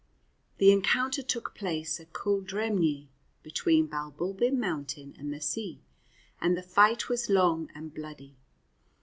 The encounter took place at Cuil dreimhne, between Balbulbin Mountain and the sea, and the fight was long and bloody.